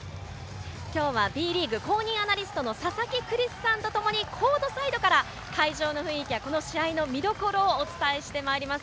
きょうはＢリーグ公認アナリストの佐々木クリスさんとともにコートサイドから会場の雰囲気やこの試合の見どころをお伝えしてまいります。